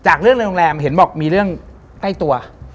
เรื่องในโรงแรมเห็นบอกมีเรื่องใกล้ตัว